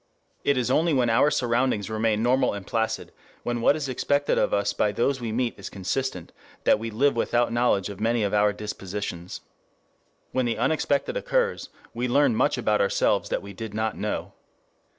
] It is only when our surroundings remain normal and placid, when what is expected of us by those we meet is consistent, that we live without knowledge of many of our dispositions. When the unexpected occurs, we learn much about ourselves that we did not know.